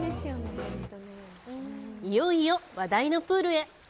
いよいよ話題のプールへ。